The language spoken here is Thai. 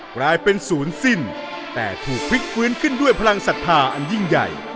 กลายเป็นศูนย์สิ้นแต่ถูกพลิกฟื้นขึ้นด้วยพลังศรัทธาอันยิ่งใหญ่